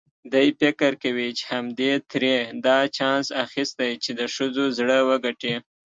دی فکر کوي چې همدې ترې دا چانس اخیستی چې د ښځو زړه وګټي.